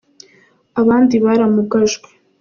abandi baramugajwe.